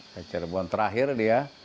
ke cirebon terakhir dia